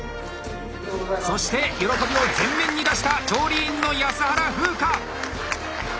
そして喜びを前面に出した調理員の安原風花。